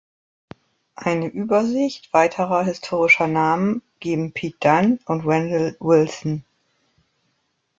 Eine Übersicht weiterer historischer Namen geben Pete Dunn und Wendell Wilson.